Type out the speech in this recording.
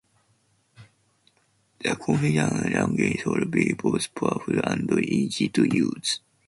The configuration language should be both powerful and easy to use.